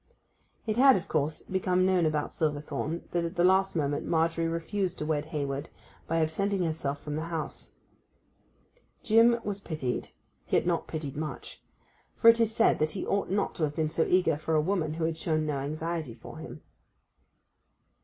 It had, of course, become known about Silverthorn that at the last moment Margery refused to wed Hayward, by absenting herself from the house. Jim was pitied, yet not pitied much, for it was said that he ought not to have been so eager for a woman who had shown no anxiety for him.